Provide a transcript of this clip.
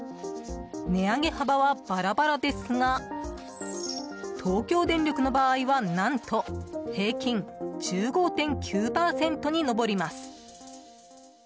値上げ幅はバラバラですが東京電力の場合は何と平均１５．９％に上ります。